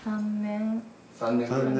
３年。